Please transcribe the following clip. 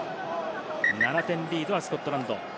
７点リードはスコットランド。